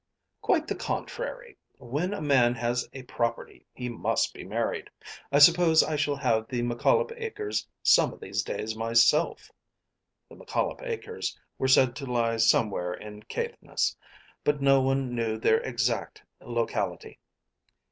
"Quite the contrary. When a man has a property he must be married. I suppose I shall have the McCollop acres some of these days myself." The McCollop acres were said to lie somewhere in Caithness, but no one knew their exact locality.